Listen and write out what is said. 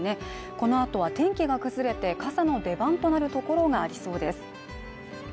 このあとは天気が崩れて傘の出番となるところがありそうです